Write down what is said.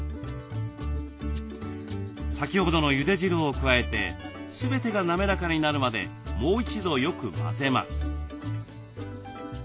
先ほどのゆで汁を加えて全てが滑らかになるまでもう一度よく混ぜます。